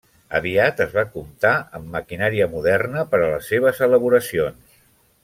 Aviat es va comptar amb maquinària moderna per a les seves elaboracions.